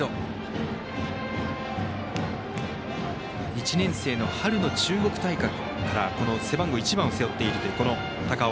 １年生の春の中国大会からこの背番号１番を背負っている高尾。